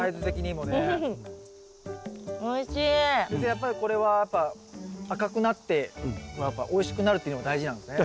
やっぱりこれはやっぱ赤くなってやっぱおいしくなるっていうのが大事なんですね。